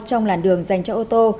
trong làn đường dành cho ô tô